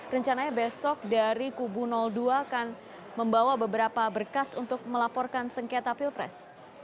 rencananya besok dari kubu dua akan membawa beberapa berkas untuk melaporkan sengketa pilpres